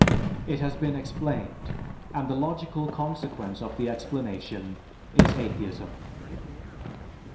It has been explained, and the logical consequence of the explanation is Atheism."